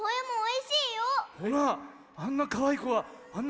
ほらあんなかわいいこがあんな